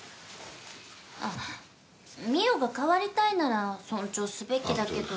あっ澪が変わりたいなら尊重すべきだけど。